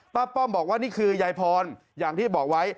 ป้อมบอกว่านี่คือยายพรอย่างที่บอกไว้